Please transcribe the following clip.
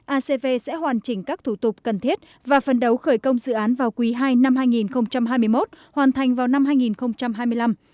acv sẽ hoàn chỉnh các thủ tục cần thiết và phần đấu khởi công dự án vào quý ii năm hai nghìn hai mươi một hoàn thành vào năm hai nghìn hai mươi năm